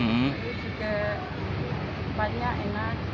ini juga tempatnya enak